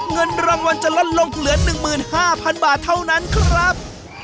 เงินรางวัลจะลดลงเหลือ๑๕๐๐๐บาทเท่านั้นครับ